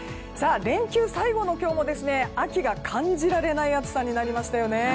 連休最後の今日も秋が感じられない暑さになりましたよね。